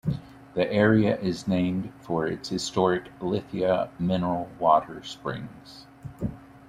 The area is named for its historic "lithia" mineral water springs.